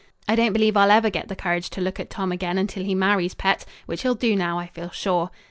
I don't believe I'll ever get the courage to look at Tom again until he marries Pet, which he'll do now, I feel sure.